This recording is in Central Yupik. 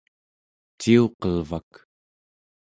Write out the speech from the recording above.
ciuqelvak